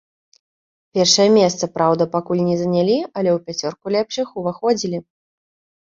Першае месца, праўда, пакуль не занялі, але ў пяцёрку лепшых уваходзілі.